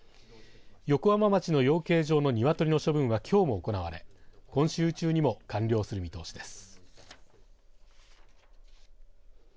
横浜町の養鶏場の鶏の処分はきょうも行われ今週中にも完了する見通しです。